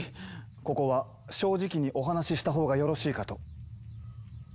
ここは正直にお話ししたほうがよろしいかと。